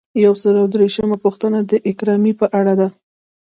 یو سل او درویشتمه پوښتنه د اکرامیې په اړه ده.